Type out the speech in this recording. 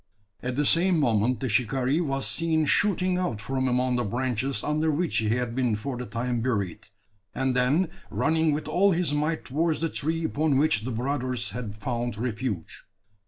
At the same moment the shikaree was seen shooting out from among the branches under which he had been for the time buried; and, then running with all his might towards the tree upon which the brothers had found refuge.